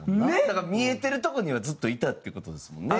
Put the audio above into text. だから見えてるとこにはずっといたっていう事ですもんね。